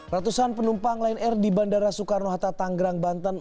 ratusan penumpang lion air di bandara soekarno hatta tanggerang banten